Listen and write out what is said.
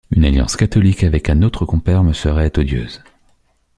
Une alliance catholique avec un autre compère me serait odieuse.